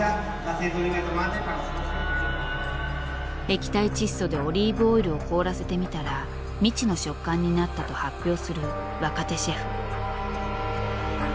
液体窒素でオリーブオイルを凍らせてみたら未知の食感になったと発表する若手シェフ。